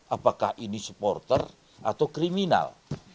apakah ini supporter atau kriminal